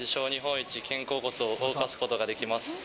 日本一肩甲骨を動かすことができます。